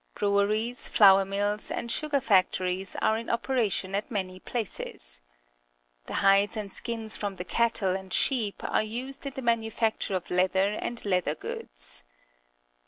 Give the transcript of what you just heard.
Breweries, flour mills, and sugar factories are in operation at many places. The hides and skins from the cattle and sheep are used in the manufacture of leather and leather goods.